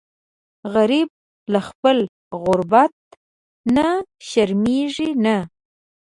غریب له خپل غربت نه شرمیږي نه